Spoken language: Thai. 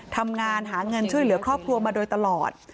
ทำงานหาเงินช่วยเหลือครอบครัวมาโดยตลอด